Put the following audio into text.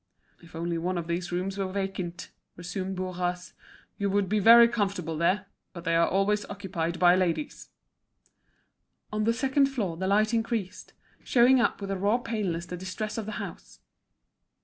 "If only one of these rooms were vacant," resumed Bourras. "You would be very comfortable there. But they are always occupied by ladies." On the second floor the light increased, showing up with a raw paleness the distress of the house.